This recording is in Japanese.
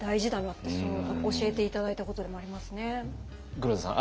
黒田さん